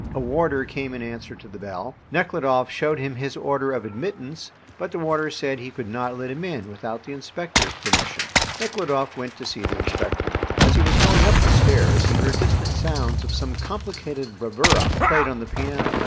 A warder came in answer to the bell. Nekhludoff showed him his order of admittance, but the warder said he could not let him in without the inspector's permission. Nekhludoff went to see the inspector. As he was going up the stairs he heard distant sounds of some complicated bravura, played on the piano.